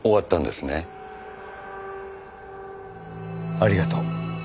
ありがとう。